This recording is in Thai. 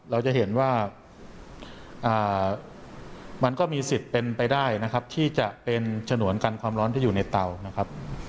เราจะเห็นว่ามันก็มีสิทธิ์เป็นไปได้นะครับที่จะเป็นฉนวนกันความร้อนที่อยู่ในเตานะครับ